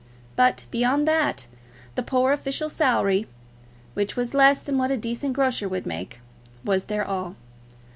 But, beyond that, the poor official salary, which was less than what a decent grocer would make, was their all.